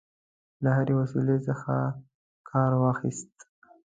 له هري وسیلې څخه کارواخیست.